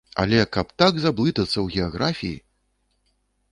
Але каб так заблытацца ў геаграфіі!